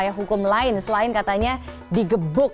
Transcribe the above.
tidak ada hukum lain selain katanya digebuk